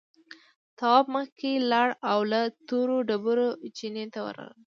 تواب مخکې لاړ او له تورو ډبرو چينې ته ورغی.